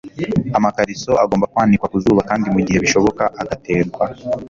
amakariso agomba kwanikwa ku zuba kandi mu gihe bishoboka agaterwa